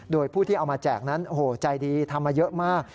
โดยผู้ที่เอามาแจกนั้นโอ้โหใจดีทำมาเยอะมาก